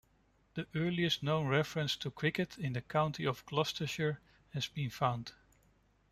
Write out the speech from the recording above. The earliest known reference to cricket in the county of Gloucestershire has been found.